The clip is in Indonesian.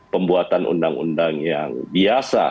pembuatan undang undang yang biasa